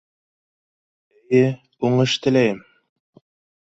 Эйе, уңыш теләйем